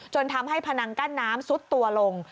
ทำให้พนังกั้นน้ำซุดตัวลง